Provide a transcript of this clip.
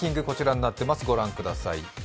こちらになっています、御覧ください。